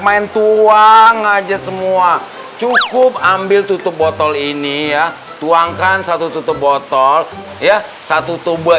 main tuang aja semua cukup ambil tutup botol ini ya tuangkan satu tutup botol ya satu tubuh